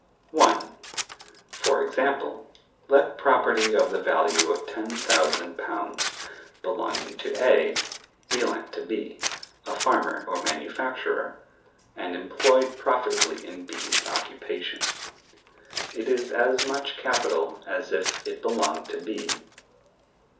For example, let property of the value of ten thousand pounds, belonging to A, be lent to B, a farmer or manufacturer, and employed profitably in B's occupation. It is as much capital as if it belonged to B.